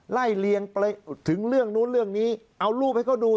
เลียงไปถึงเรื่องนู้นเรื่องนี้เอารูปให้เขาดู